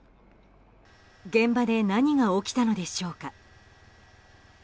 現場で何が起きたのでしょうか。